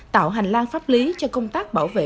tạo hành lang pháp lý cho công tác bảo vệ